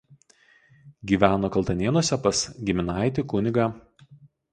Gyveno Kaltanėnuose pas giminaitį kun.